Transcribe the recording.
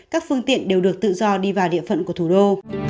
các phương tiện đều được tự do đi vào địa phận của thủ đô